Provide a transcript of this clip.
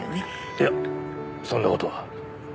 いやそんな事は。